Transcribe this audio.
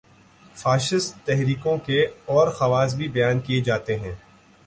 Fascist تحریکوں کے اور خواص بھی بیان کیے جاتے ہیں۔